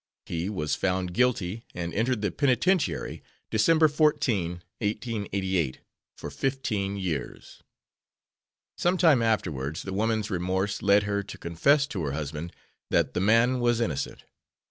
He was found guilty, and entered the penitentiary, December 14, 1888, for fifteen years. Some time afterwards the woman's remorse led her to confess to her husband that the man was innocent.